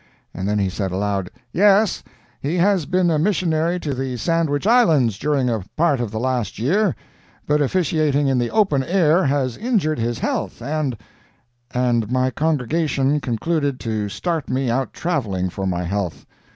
And then he said aloud, "Yes, he has been a missionary to the Sandwich Islands during a part of the last year, but officiating in the open air has injured his health, and—" "And my congregation concluded to start me out traveling for my health.